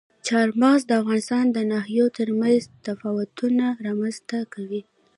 چار مغز د افغانستان د ناحیو ترمنځ تفاوتونه رامنځ ته کوي.